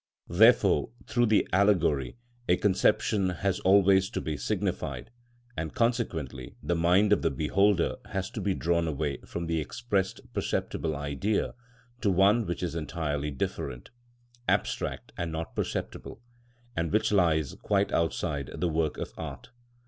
Therefore through the allegory a conception has always to be signified, and consequently the mind of the beholder has to be drawn away from the expressed perceptible idea to one which is entirely different, abstract and not perceptible, and which lies quite outside the work of art.